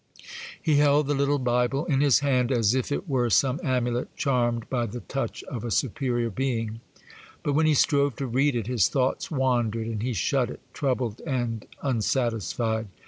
He held the little Bible in his hand as if it were some amulet charmed by the touch of a superior being; but when he strove to read it, his thoughts wandered, and he shut it, troubled and unsatisfied.